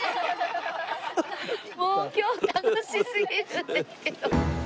もう今日楽しすぎるんですけど。